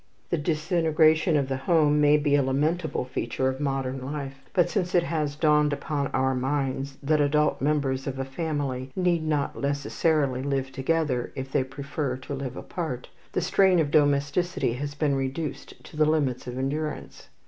The disintegration of the home may be a lamentable feature of modern life; but since it has dawned upon our minds that adult members of a family need not necessarily live together if they prefer to live apart, the strain of domesticity has been reduced to the limits of endurance.